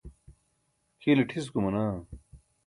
kʰiile ṭhis gumanaa